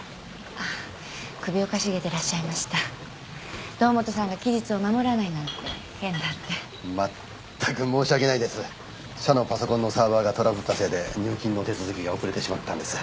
ああ首をかしげてらっしゃいました堂本さんが期日を守らないなんて変だってまったく申し訳ないです社のパソコンのサーバーがトラブったせいで入金の手続きが遅れてしまったんです